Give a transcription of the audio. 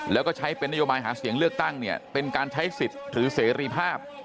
แล้วก็ใช้เป็นนโยบายหาเสียงเลือกตั้งเนี่ยเป็นการใช้สิทธิ์หรือเสรีภาพ